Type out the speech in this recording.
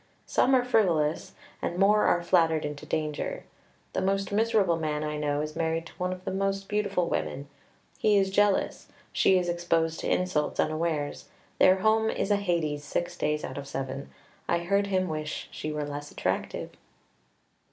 Some are frivolous, and more are flattered into danger. The most miserable man I know is married to one of the most beautiful women. He is jealous; she is exposed to insults unawares. Their home is a Hades six days out of seven. I've heard him wish she were less attractive!